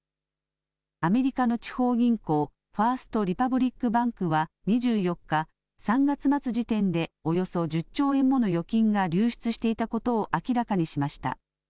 アメリカの地方銀行、ファースト・リパブリック・バンクは２４日、３月末時点でおよそ１０兆円もの預金が流出していたことを明らかにしました。